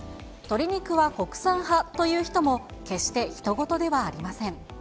鶏肉は国産派という人も、決してひと事ではありません。